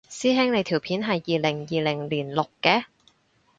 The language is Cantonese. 師兄你條片係二零二零年錄嘅？